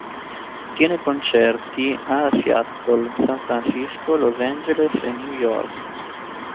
Tiene concerti a Seattle, San Francisco, Los Angeles e New York.